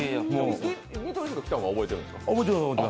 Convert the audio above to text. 見取り図が来たのは覚えてるんですか？